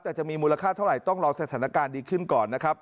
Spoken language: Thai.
แต่จะมีมูลค่าเท่าไหร่ต้องรอสถานการณ์ดีขึ้นก่อนนะครับ